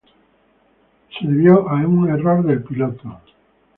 Se debió a un error del piloto.